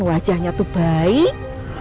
wajahnya tuh baik